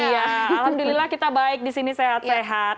iya alhamdulillah kita baik disini sehat sehat